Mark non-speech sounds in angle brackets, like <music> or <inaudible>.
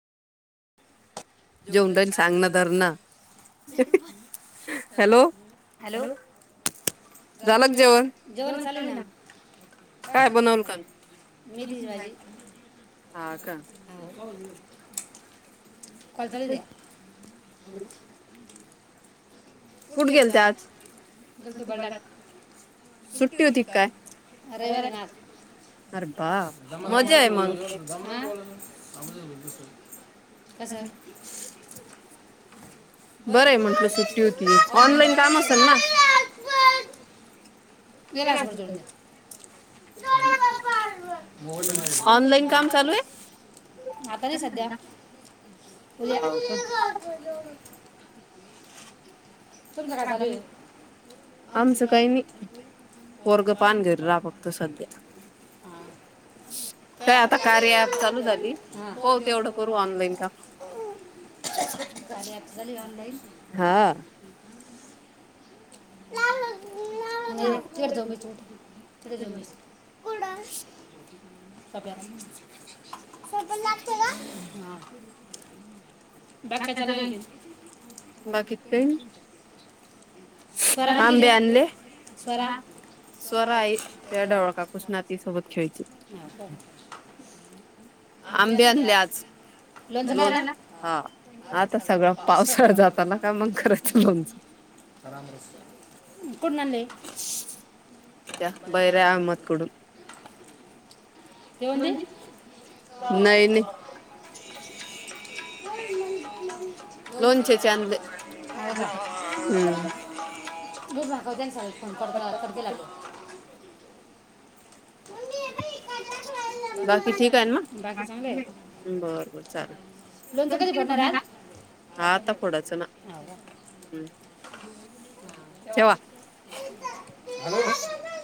जेउन जाईल सांगना धरना. हॅलो. हॅलो. झाल का जेवण? जेवण चालूये ना. काय बनवल का नू? मेथीची भाजी. हा का? <unintelligible> <unintelligible> द्या. <unintelligible> कुठं गेलत्यात? <unintelligible> सुट्टी होती का काय? रविवारीये ना आज. <inaudible> <unintelligible> कस? बरं आहे म्हटलं सुट्टी होती. ऑनलाईन काम असेल ना? <unintelligible> ऑनलाईन काम चालूये? आता नाही सध्या. हाव का? <inaudible> <unintelligible> चालूये. आमचं काही नाही. पोरग पहा आणि घरी राहा फक्त सध्या. <inaudible> <inaudible> साडे आठ झाली ऑनलाईन. हा. <inaudible> <inaudible> शट लागते का? हां. बाकीचं काय? बाकी त काय नाही. आंबे आणले. स्वरा? स्वरा आहे <unintelligible> ती सोबत खेळते. हा का? आंबे आणले आज. <unintelligible> हा. आता सगळा पावसाळा जात आला काय मग करायचं लोणचं? कोन म्हणले? त्या बहिऱ्या अहमदकडून. <unintelligible> नाही नाही. <inaudible> <inaudible> <inaudible> बाकी ठीक आहे ना? बाकी ठीक आहे. बर बर चालेल. लोणच कधी भरणार आज? ठेवा. इथ, <inaudible> हॅलो.